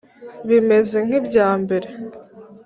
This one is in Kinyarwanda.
bimeze nk’ibya mbere,